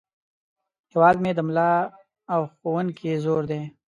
هیواد مې د ملا او ښوونکي زور دی